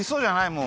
もう。